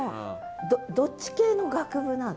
どっち系の学部なの？